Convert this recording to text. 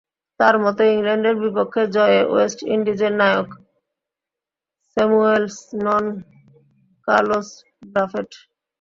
তাঁর মতে, ইংল্যান্ডের বিপক্ষে জয়ে ওয়েস্ট ইন্ডিজের নায়ক স্যামুয়েলস নন, কার্লোস ব্রাফেট।